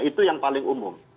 itu yang paling umum